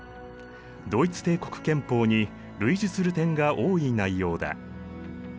ドイツ帝国憲法に類似する点が多い内容だ。